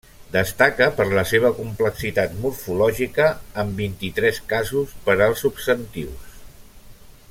Destaca per la seva complexitat morfològica, amb vint-i-tres casos per als substantius.